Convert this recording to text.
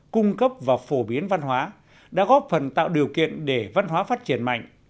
cung cấp và phổ biến văn hóa đã góp phần tạo điều kiện để văn hóa phát triển mạnh